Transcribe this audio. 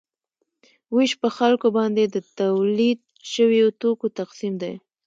ویش په خلکو باندې د تولید شویو توکو تقسیم دی.